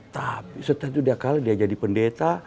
tapi setelah itu dia kalah dia jadi pendeta